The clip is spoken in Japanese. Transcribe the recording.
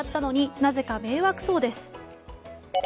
なぜか迷惑そうです。